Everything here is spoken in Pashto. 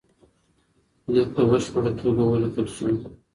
ليک په بشپړه توګه وليکل سو.